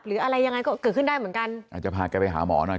หรืออะไรยังไงก็เกิดขึ้นได้เหมือนกันอาจจะพาแกไปหาหมอหน่อย